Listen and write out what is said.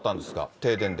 停電で。